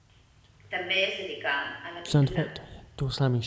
També es dedicà a la pintura.